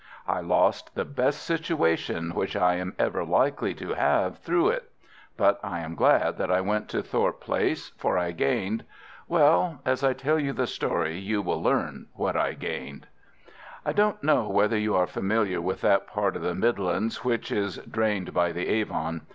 I lost the best situation which I am ever likely to have through it. But I am glad that I went to Thorpe Place, for I gained—well, as I tell you the story you will learn what I gained. I don't know whether you are familiar with that part of the Midlands which is drained by the Avon.